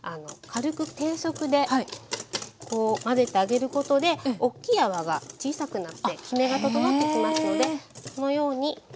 軽く低速で混ぜてあげることで大きい泡が小さくなってきめが整ってきますのでこのように。